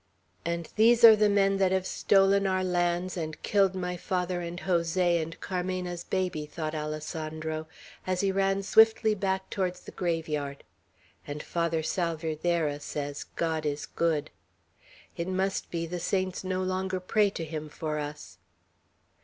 "And these are the men that have stolen our lands, and killed my father, and Jose, and Carmena's baby!" thought Alessandro, as he ran swiftly back towards the graveyard. "And Father Salvierderra says, God is good. It must be the saints no longer pray to Him for us!"